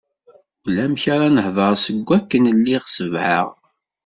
Ulamek ara hedreɣ seg akken lliɣ sebεeɣ.